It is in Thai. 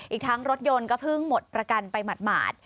อีกทั้งรถยนต์ก็เพิ่งหมดประกันไปหมาด